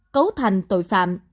cấu thành tội phạm